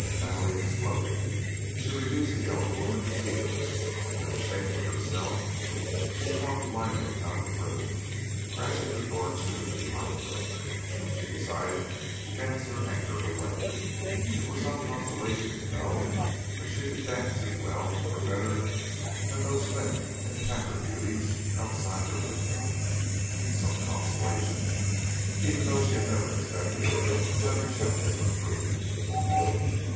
Allie exploded. She reduced the elder woman to tears, then, ashamed of herself, she flung blindly out of the room, crashing the door to behind her. She decided to dance her anger away. It was some consolation to know that she could dance as well, or better, than those slim and pampered beauties outside her window. Some consolation, even though she never expected to have a chance of proving it.